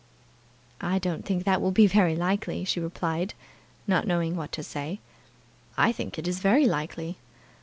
"I don't think that will be very likely," she replied, not knowing what to say. "I think it is very likely.